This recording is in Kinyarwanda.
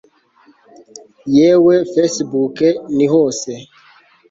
yewe facebook ni hose